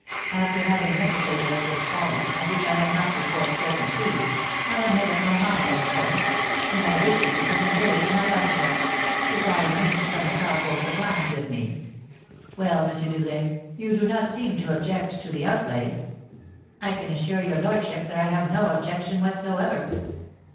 After having hesitated at this folly, of which I have not before spoken to you, I have made up my mind on the point, and I wish you to send to day to my architect, desiring him to come and talk over the plans with me. Well, M. Doublet, you do not seem to object to the outlay." "I can assure your lordship that I have no objection whatsoever."